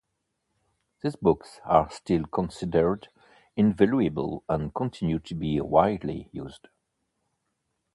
These books are still considered invaluable and continue to be widely used.